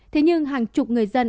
thế nhưng hàng chục người dân